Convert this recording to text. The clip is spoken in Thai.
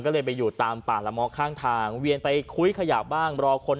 ก็เลยไปอยู่ตามป่าละม้อข้างทางเวียนไปคุ้ยขยะบ้างรอคน